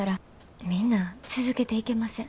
みんな続けていけません。